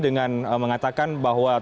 dan mengatakan bahwa